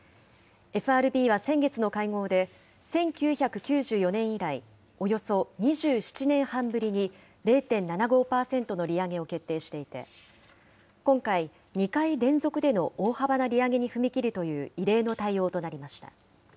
ＦＲＢは先月の会合で、１９９４年以来、およそ２７年半ぶりに、０．７５％の利上げを決定していて、今回、２回連続での大幅な利上げに踏み切るという異例の対応となりました。